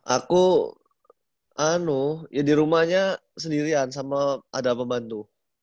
aku ya di rumahnya sendirian sama ada pembantu